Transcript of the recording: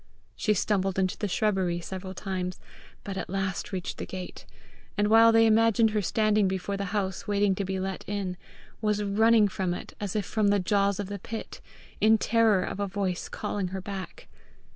She stumbled into the shrubbery several times, but at last reached the gate, and while they imagined her standing before the house waiting to be let in, was running from it as from the jaws of the pit, in terror of a voice calling her back.